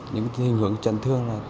những hình hướng trận thương